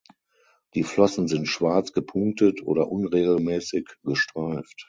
Die Flossen sind schwarz gepunktet oder unregelmäßig gestreift.